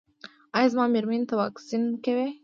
ایا زما میرمنې ته واکسین کوئ؟